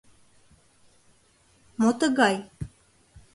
«Мо тыгай